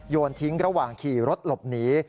โยนทิ้งระหว่างขี่รถหลบหนี